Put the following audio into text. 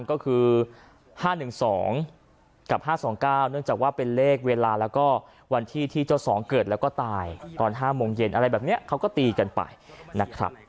ก็คือ๕๑๒กับ๕๒๙เนื่องจากว่าเป็นเลขเวลาแล้วก็วันที่ที่เจ้าสองเกิดแล้วก็ตายตอน๕โมงเย็นอะไรแบบนี้เขาก็ตีกันไปนะครับ